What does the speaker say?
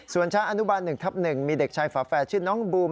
ส่วนช้างอนุบาล๑ทับ๑มีเด็กชายฝาแฝดชื่อน้องบูม